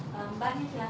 kalau boleh pak maaf